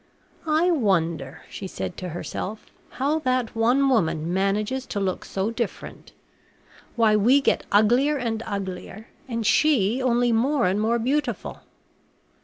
"I wonder," she said to herself, "how that one woman manages to look so different. Why, we get uglier and uglier, and she only more and more beautiful.